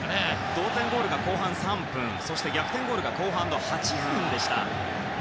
同点ゴールが後半３分逆転ゴールが後半８分でした。